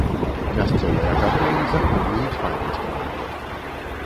Мясцовыя габрэі захоўваюць памяць пра яго.